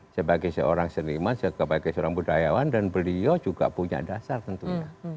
sebagai seorang seniman sebagai seorang budayawan dan beliau juga punya dasar tentunya